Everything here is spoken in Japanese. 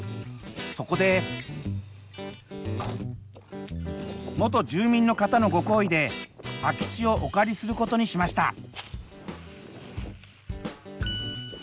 そこで元住民の方のご厚意で空き地をお借りすることにしました。